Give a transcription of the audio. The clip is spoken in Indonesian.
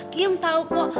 kiem tahu kok